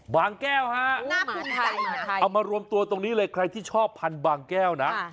แก้วฮะเอามารวมตัวตรงนี้เลยใครที่ชอบพันธุ์บางแก้วนะ